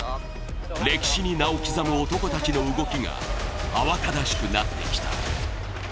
歴史に名を刻む男たちの動きが、慌ただしくなってきた。